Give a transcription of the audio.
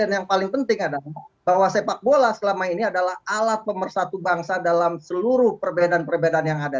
dan yang paling penting adalah bahwa sepak bola selama ini adalah alat pemersatu bangsa dalam seluruh perbedaan perbedaan yang ada